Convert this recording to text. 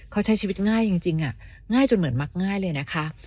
เขาใช้ชีวิตง่ายจริงง่ายจนเหมือนมักง่ายเลยนะคะ